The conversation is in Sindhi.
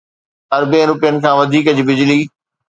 اربين رپين کان وڌيڪ جي بجلي